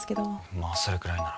まあそれくらいなら。